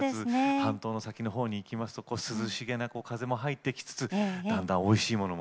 半島の先の方に行きますと涼しげな風も入ってきつつだんだんおいしい物もとれてと。